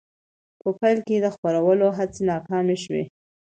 په پیل کې د خپرولو هڅې ناکامې شوې.